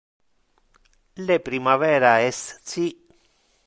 Le primavera es ci.